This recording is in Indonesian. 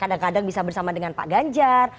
kadang kadang bisa bersama dengan pak ganjar